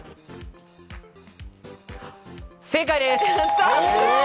正解です！